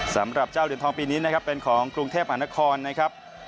สำหรับเจ้าเหรียญทองปีนี้นะครับเป็นของกรุงเทพมหานครนะครับ